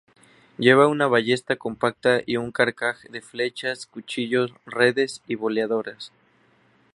Lleva una ballesta compacta y un carcaj de flechas, cuchillos, redes y boleadoras.